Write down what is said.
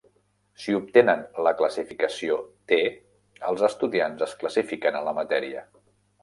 Si obtenen la classificació T, els estudiants es classifiquen en la matèria.